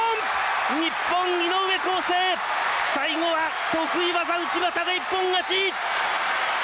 日本、井上康生、最後は得意技、内股で一本勝ち。